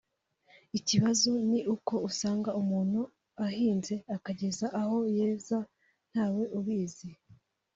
Ikibazo ni uko usanga umuntu ahinze akageza aho yeza ntawe ubizi